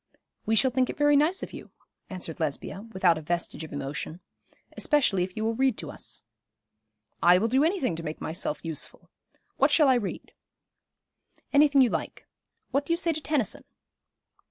'We shall think it very nice of you,' answered Lesbia, without a vestige of emotion; 'especially if you will read to us.' 'I will do any thing to make myself useful. What shall I read?' 'Anything you like. What do you say to Tennyson?'